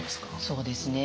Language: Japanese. そうですね。